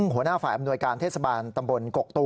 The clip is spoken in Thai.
หัวหน้าฝ่ายอำนวยการเทศบาล